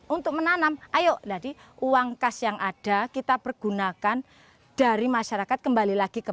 untuk menanam ayo tadi uang kas yang ada kita pergunakan dari masyarakat kembali lagi ke